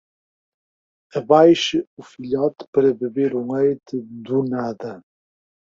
Abaixe o filhote para beber o leite do nada.